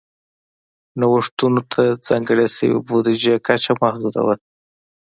نوښتونو ته ځانګړې شوې بودیجې کچه محدوده وه.